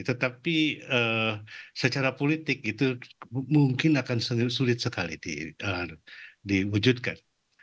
tetapi secara politik itu mungkin akan sulit sekali diwujudkan